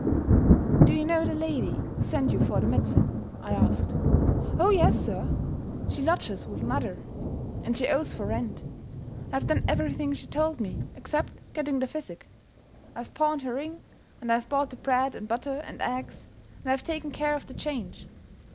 "Do you know the lady who sent you for the medicine?" I asked. "Oh yes, sir! She lodges with mother and she owes for rent. I have done everything she told me, except getting the physic. I've pawned her ring, and I've bought the bread and butter and eggs, and I've taken care of the change.